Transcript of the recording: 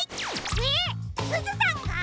えっすずさんが！？